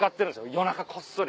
夜中こっそり。